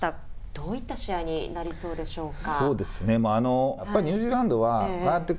どういった試合になりそうでしょうか。